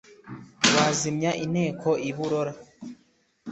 wazimya inteko i burora